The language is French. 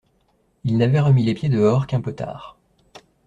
Il n’avait remis les pieds dehors qu’un peu tard.